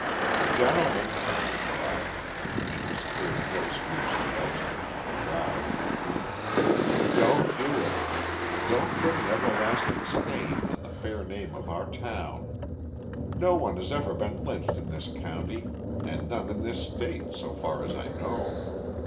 "Gentlemen," he cried and his clear voice reached the outskirts of the crowd "don't do it. Don't put an everlasting stain on the fair name of our town. No one has ever been lynched in this county and none in this State, so far as I know.